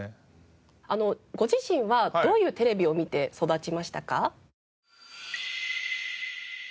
ご自身はどういうテレビを見て育ちましたか？